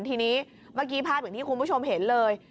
ทีนี้เมื่อกี้ภาพเหมือนที่คุณผู้ชมเห็นเลย